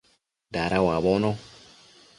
Dada uabono